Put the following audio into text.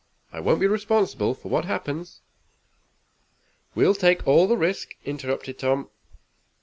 I won't be responsible for what happens." "We'll take all the risk," interrupted Tom.